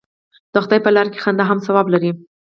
د خدای په لاره کې خندا هم ثواب لري.